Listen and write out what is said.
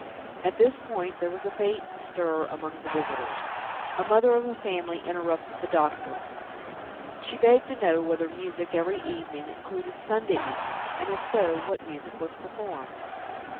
At this point there was a faint stir among the visitors. A mother of a family interrupted the doctor. She begged to know whether music "every evening" included Sunday evening; and, if so, what music was performed?